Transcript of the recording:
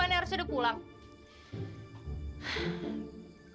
bukan harusnya udah pulang